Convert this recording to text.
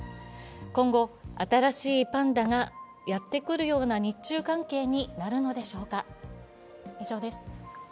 今後、新しいパンダがやってくるような日中関係になるのでしょうか。